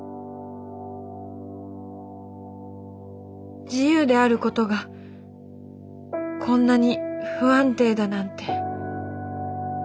心の声自由であることがこんなに不安定だなんて。